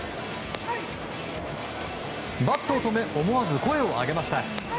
バットを止め思わず声を上げました。